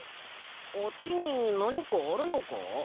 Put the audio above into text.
あっちになにかあるのか？